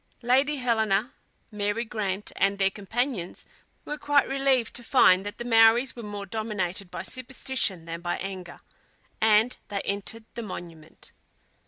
Lady Helena, Mary Grant, and their companions were quite relieved to find that the Maories were more dominated by superstition than by anger, and they entered the monument.